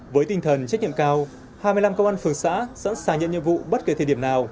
với tinh thần trách nhiệm cao hai mươi năm công an phường xã sẵn sàng nhận nhiệm vụ bất kể thời điểm nào